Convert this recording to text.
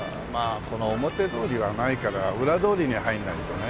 この表通りはないから裏通りに入らないとね。